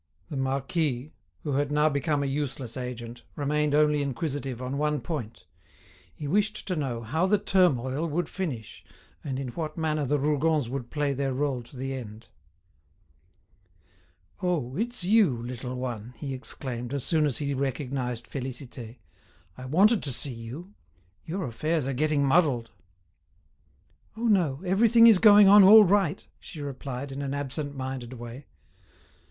The marquis, who had now become a useless agent, remained only inquisitive on one point—he wished to know how the turmoil would finish, and in what manner the Rougons would play their role to the end. "Oh! it's you, little one!" he exclaimed, as soon as he recognized Félicité. "I wanted to see you; your affairs are getting muddled!" "Oh, no; everything is going on all right," she replied, in an absent minded way.